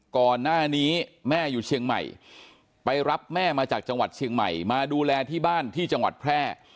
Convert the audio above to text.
ก่อนหน้านี้แม่อยู่เชียงใหม่ไปรับแม่มาจากจังหวัดเชียงใหม่มาดูแลที่บ้านที่จังหวัดแพร่